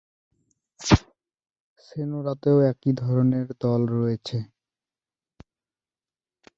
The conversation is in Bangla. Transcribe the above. সোনোরাতেও একই ধরনের দল রয়েছে।